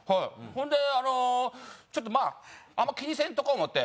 ほんであのちょっとまああんま気にせんとこう思って。